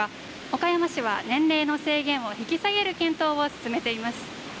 岡山市は年齢の制限を引き下げる検討を進めています。